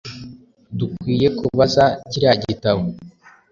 Dukwiriye kubaha kiriya gitabo,